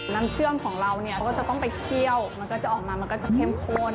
น้ำเชื่อมของเราเนี่ยก็จะต้องไปเคี่ยวมันก็จะออกมามันก็จะเข้มข้น